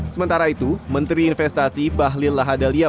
sementara itu menteri investasi dan kampung tim solidaritas nasional